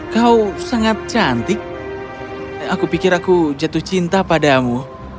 kau sangat cantik aku pikir aku jatuh cinta padamu